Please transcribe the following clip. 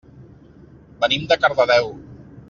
Venim de Cardedeu.